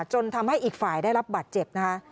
จนทำให้อีกฝ่ายได้รับบาดเจ็บนะคะ